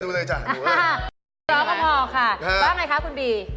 พี่บิวาเหรอค่ะคุณบี